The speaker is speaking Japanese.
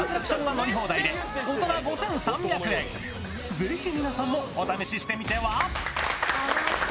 ぜひ皆さんも、お試ししてみては？